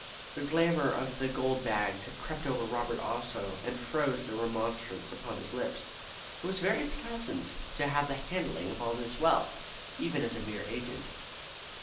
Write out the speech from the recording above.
The glamour of the gold bags had crept over Robert also, and froze the remonstrance upon his lips. It was very pleasant to have the handling of all this wealth, even as a mere agent.